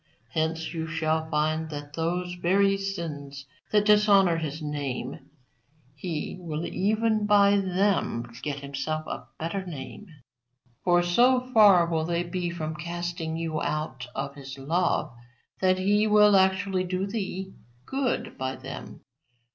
Hence you shall find that those very sins that dishonour His name He will even by them get Himself a better name; for so far will they be from casting you out of His love that He will actually do thee good by them.